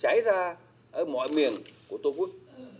xảy ra ở mọi miền của tổ quốc